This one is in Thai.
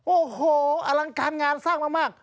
โอ้โหอลังการงานสร้างมาก